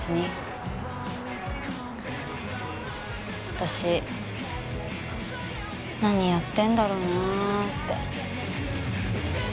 私何やってんだろうなって。